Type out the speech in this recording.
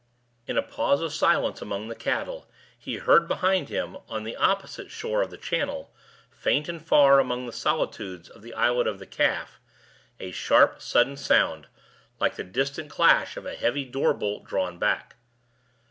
In a pause of silence among the cattle, he heard behind him, on the opposite shore of the channel, faint and far among the solitudes of the Islet of the Calf, a sharp, sudden sound, like the distant clash of a heavy door bolt drawn back.